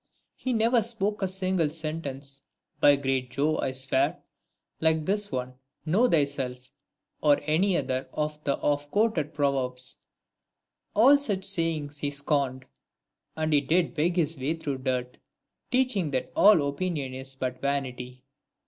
He never spoke A single sentence, by great Jove I swear, Like this one, " Know thyself," or any other Of the oft quoted proverbs : all such sayings He scorned, as he did beg his way through dirt ; Teaching that all opinion is but vanity.